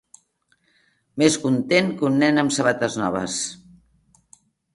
Més content que un nen amb sabates noves.